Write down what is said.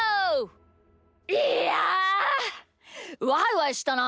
いやワイワイしたな！